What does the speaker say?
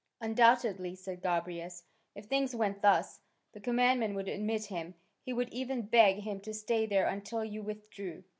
"Undoubtedly," said Gobryas, "if things went thus, the commandant would admit him; he would even beg him to stay there until you withdrew."